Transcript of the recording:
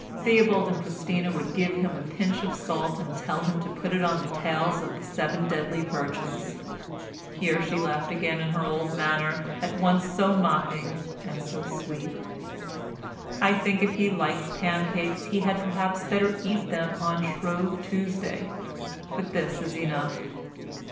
Theobald and Christina would give him a pinch of salt and tell him to put it on the tails of the seven deadly virtues;"—here she laughed again in her old manner at once so mocking and so sweet—"I think if he likes pancakes he had perhaps better eat them on Shrove Tuesday, but this is enough."